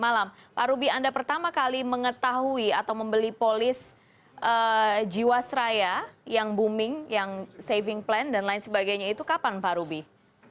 malam pak ruby anda pertama kali mengetahui atau membeli polis jiwasraya yang booming yang saving plan dan lain sebagainya itu kapan pak ruby